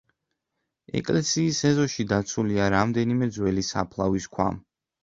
ეკლესიის ეზოში დაცულია რამდენიმე ძველი საფლავის ქვა.